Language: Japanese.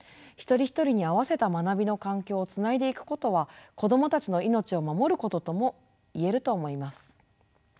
一人一人に合わせた学びの環境をつないでいくことは子どもたちの命を守ることとも言えると思います。